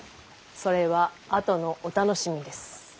それはあとのお楽しみです。